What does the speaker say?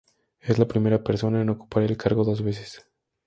Es la primera persona en ocupar el cargo dos veces.